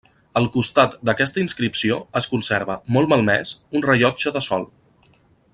Al costat d'aquesta inscripció es conserva, molt malmès, un rellotge de sol.